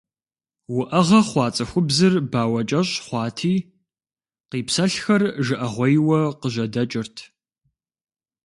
Уӏэгъэ хъуа цӏыхубзыр бауэкӏэщӏ хъуати къипсэлъхэр жыӏэгъуейуэ къыжьэдэкӏырт.